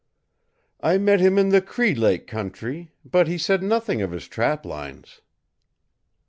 "I met him in the Cree Lake country, but he said nothing of his trap lines."